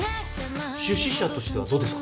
出資者としてはどうですか？